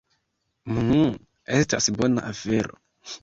Mmm, estas bona afero.